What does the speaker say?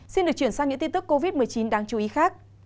xin được chuyển sang những tin tức covid một mươi chín đáng chú ý khác